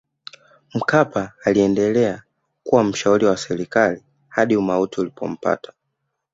mkapa aliendelea kuwa mshauri wa serikali hadi umauti ulipompata